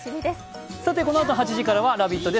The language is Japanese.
このあと８時からは「ラヴィット！」です。